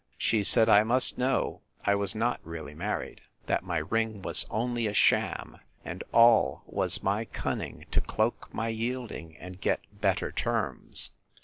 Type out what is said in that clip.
She said, I must know I was not really married, that my ring was only a sham, and all was my cunning to cloak my yielding, and get better terms.